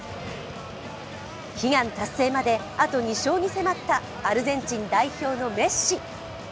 悲願達成まで、あと２勝に迫ったアルゼンチン代表のメッシ。